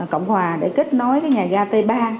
cộng hòa để kết nối cái nhà ga t ba